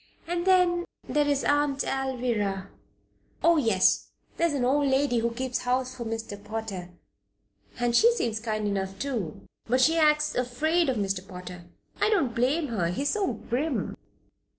"And then, there is Aunt Alvirah." "Oh, yes. There is an old lady who keeps house for Mr. Potter. And she seems kind enough, too. But she acts afraid of Mr. Potter. I don't blame her, he is so grim."